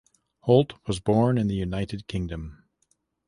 Holt was born in the United Kingdom.